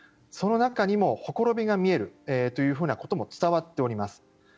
その中にもほころびが見えるというふうなことも伝わっております。